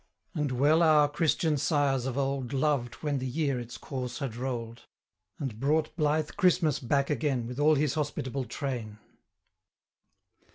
And well our Christian sires of old Loved when the year its course had roll'd, 25 And brought blithe Christmas back again, With all his hospitable train.